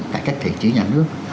cải cách thể chế nhà nước